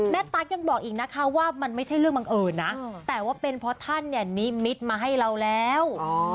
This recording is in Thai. ตั๊กยังบอกอีกนะคะว่ามันไม่ใช่เรื่องบังเอิญนะแต่ว่าเป็นเพราะท่านเนี่ยนิมิตมาให้เราแล้ว